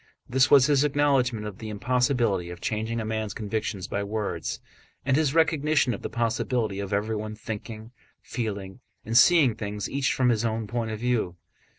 This was his acknowledgment of the impossibility of changing a man's convictions by words, and his recognition of the possibility of everyone thinking, feeling, and seeing things each from his own point of view.